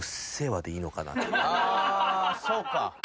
あそうか。